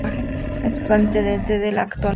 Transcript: Es un antecedente del actual biatlón.